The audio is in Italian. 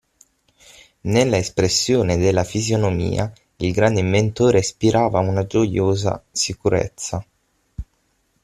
Nella espressione della fisionomia il grande inventore spirava una gioiosa sicurezza.